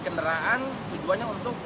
kendaraan tujuannya untuk